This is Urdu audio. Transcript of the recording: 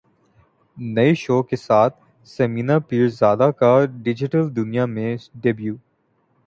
نئے شو کے ساتھ ثمینہ پیرزادہ کا ڈیجیٹل دنیا میں ڈیبیو